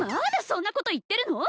そんなこと言ってるの！？